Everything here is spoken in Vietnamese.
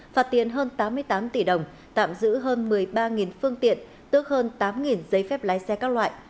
phạt tiền hơn tám mươi tám tỷ đồng tạm giữ hơn một mươi ba phương tiện tước hơn tám giấy phép lái xe các loại